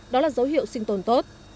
đó là dấu hiệu sinh tồn tốt